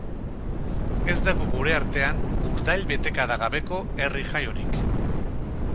Ez dago gure artean urdail betekada gabeko herri-jai onik.